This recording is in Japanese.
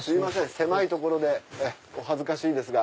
狭い所でお恥ずかしいですが。